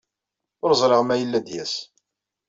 Ur ẓriɣ ma yella ad d-yas.